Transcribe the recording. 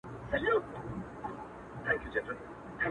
په ښکاره یې اخیستله رشوتونه-